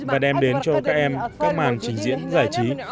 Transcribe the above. và đem đến cho các em các màn trình diễn giải trí